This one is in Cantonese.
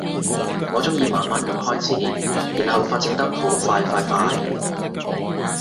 我鍾意慢慢噉開始，然後發展得好快快快